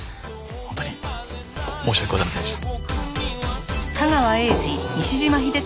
本当に申し訳ございませんでした。